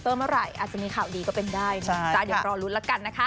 เออแต่เอาจริง